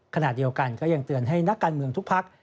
ขณะเดียวกันก็ยังเตือนให้นักการเมืองทุกพัก